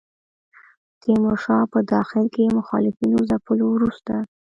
تیمورشاه په داخل کې مخالفینو ځپلو وروسته.